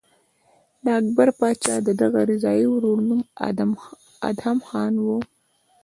د اکبر پاچا د دغه رضاعي ورور نوم ادهم خان و.